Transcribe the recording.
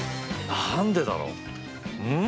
何でだろう。